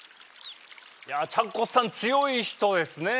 いやちゃこさん強い人ですね。